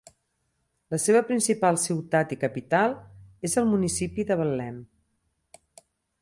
La seva principal ciutat i capital és el municipi de Betlem.